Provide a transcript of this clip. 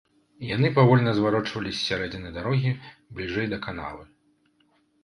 Яны павольна зварочвалі з сярэдзіны дарогі бліжэй да канавы.